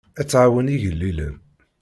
Ad tɛawen igellilen.